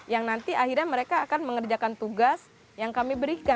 yang nanti akhirnya mereka akan mengerjakan tugas yang kami berikan